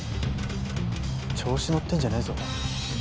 調子のってんじゃねえぞ。